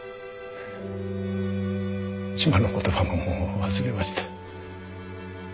島の言葉も忘れました。